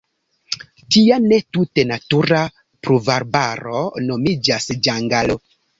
Tia ne tute natura pluvarbaro nomiĝas ĝangalo.